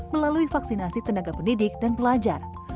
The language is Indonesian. melalui vaksinasi tenaga pendidik dan pelajar